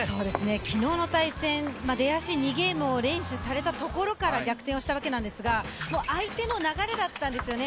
昨日の対戦、出足、２ゲームを連取されたところから逆転をしたわけなんですが相手の流れだったんですよね。